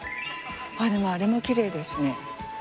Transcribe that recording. でもあれもきれいですね。